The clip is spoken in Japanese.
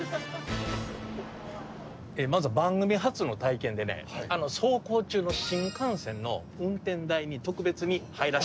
まずは番組初の体験でね走行中の新幹線の運転台に特別に入らして頂きます！